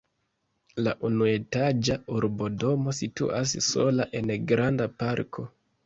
La unuetaĝa urbodomo situas sola en granda parko.